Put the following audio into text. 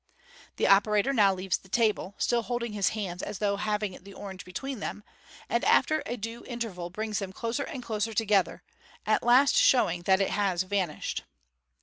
The operator now leaves the table, still holding his hands as though having the orange between them, and after a due interval, brings them closer and closer toge ther, at last showing that it has vanished.